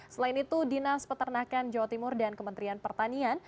selain itu dinas peternakan jawa timur dan kementerian pertanian